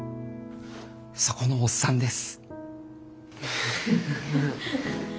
そこのおっさんです。